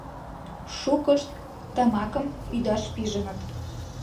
Шукышт тамакым ӱдаш пижыныт.